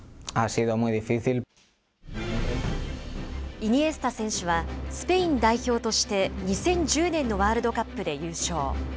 イニエスタ選手は、スペイン代表として２０１０年のワールドカップで優勝。